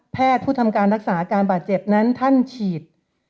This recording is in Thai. ผู้ทำการรักษาอาการบาดเจ็บนั้นท่านฉีด